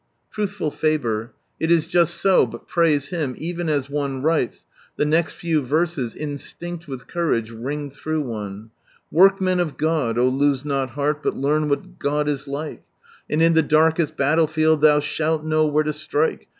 *' Truthful Faber — it is just so, but praise Him, even as one writes, the next few verses, instinct with courage, ring through one — "Workmen of God ! oh lose not heart ! but learn what God is like, And in the darkest battlefield thou shalt know where to strike.